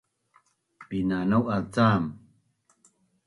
Binanau’az cam